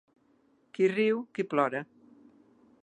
Qui riu, qui plora.